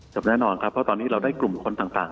แน่นอนครับเพราะตอนนี้เราได้กลุ่มคนต่าง